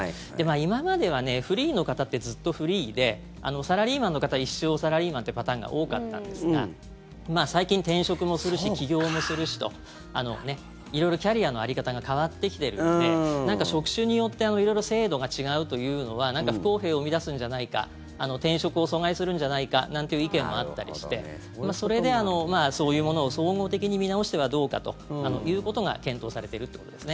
今まではフリーの方ってずっとフリーでサラリーマンの方は一生サラリーマンってパターンが多かったんですが最近転職もするし起業もするしと色々、キャリアの在り方が変わってきてるのでなんか職種によって色々、制度が違うというのは何か不公平を生み出すんじゃないか転職を阻害するんじゃないかなんていう意見もあったりしてそれでそういうものを総合的に見直してはどうかということが検討されてるってことですね。